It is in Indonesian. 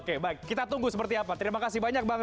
oke baik kita tunggu seperti apa terima kasih banyak bang